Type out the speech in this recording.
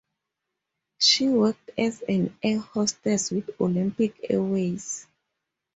She worked as an air hostess with Olympic Airways.